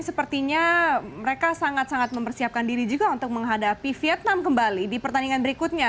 sepertinya mereka sangat sangat mempersiapkan diri juga untuk menghadapi vietnam kembali di pertandingan berikutnya